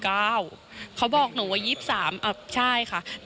อ่าเดี๋ยวฟองดูนะครับไม่เคยพูดนะครับ